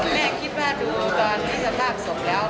แม่คิดว่าดูตอนที่สภาพศพแล้ว